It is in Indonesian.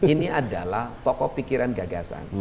ini adalah pokok pikiran gagasan